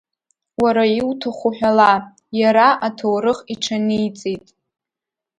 Уара иуҭаху ҳәала, иара аҭоурых иҽаниҵеит!